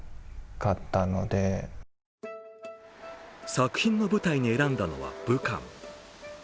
作品の舞台に選んだのは武漢。